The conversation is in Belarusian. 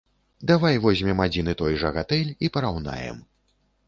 Давай возьмем адзін і той жа гатэль і параўнаем.